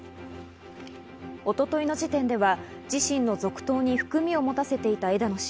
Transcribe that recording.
一昨日の時点では自身の続投に含みを持たせていた枝野氏。